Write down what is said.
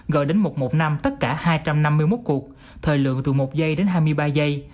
gọi đến một trăm một mươi năm tất cả hai trăm năm mươi một cuộc thời lượng từ một giây đến hai mươi ba giây